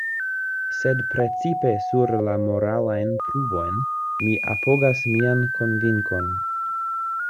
Sed precipe sur la moralajn pruvojn mi apogas mian konvinkon.